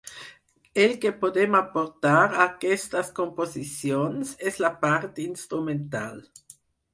El que podem aportar a aquestes composicions és la part instrumental.